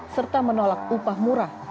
serta menolak upah murah